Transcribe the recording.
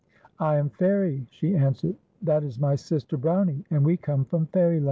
" I am Fairie," she answered ;'* that is my sister Brownie, and we come from Fairyland."